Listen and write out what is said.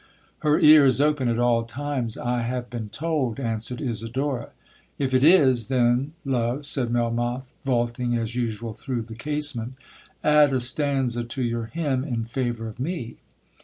'Her ear is open at all times, I have been told,' answered Isidora.—'If it is, then, love,' said Melmoth, vaulting as usual through the casement, 'add a stanza to your hymn in favour of me.'